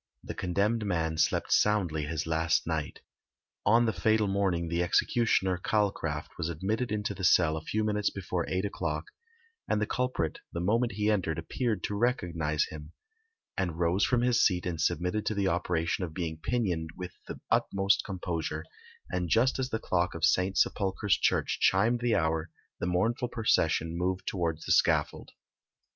The condemned man slept soundly his last night. On the fatal morning the executioner, Calcraft, was admitted into the cell a few minutes before eight o'clock, and the culprit the moment he entered appeared to recognise him, and rose from his seat and submitted to the operation of being pinioned with the utmost composure; and just as the clock of St. Sepulchre's church chimed the hour the mournful procession moved towards the scaffold.